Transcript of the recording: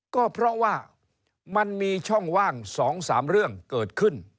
ก็เพราะว่ามันมีช่องว่าง๒๓เรื่องเกิดขึ้น